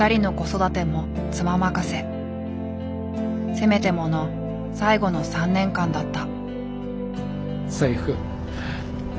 せめてもの最後の３年間だった。